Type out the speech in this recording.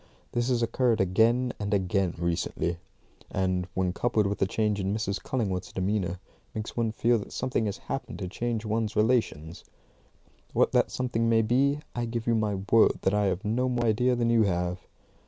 This has occurred again and again recently; and, when coupled with the change in Mrs. Cullingworth's demeanour, makes one feel that something has happened to change one's relations. What that something may be, I give you my word that I have no more idea than you have.